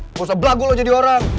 gak usah belagu lo jadi orang